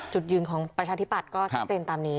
จุดยืนของประชาธิปัตย์ก็ชัดเจนตามนี้